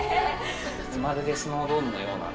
まるでスノードームのような。